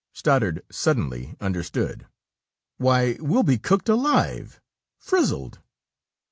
Stoddard suddenly understood. "Why, we'll be cooked alive frizzled!"